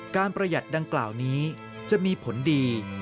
ประหยัดดังกล่าวนี้จะมีผลดี